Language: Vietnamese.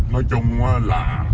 nói chung là